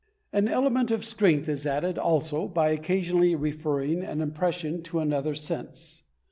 An element of strength is added also by occasionally referring an impression to another sense.